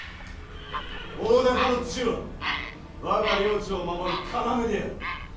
大高の地は我が領地を守る要である。